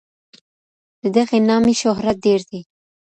د دغي نامې شهرت ډېر دی.